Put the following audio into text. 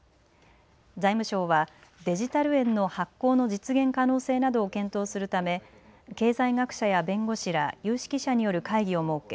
財務省はデジタル円の発行の実現可能性などを検討するため経済学者や弁護士ら有識者による会議を設け